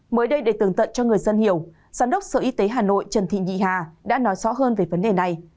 mới đây để tường tận cho người dân hiểu giám đốc sở y tế hà nội trần thị nhị hà đã nói rõ hơn về vấn đề này